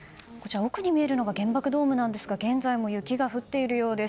奥に見えるのが原爆ドームですが現在も雪が降っているようです。